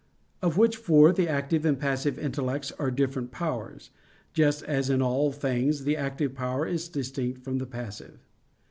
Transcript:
Of which four the active and passive intellects are different powers; just as in all things the active power is distinct from the passive.